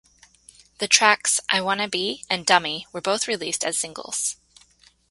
The tracks "I Wanna Be" and "Dummy" were both released as singles.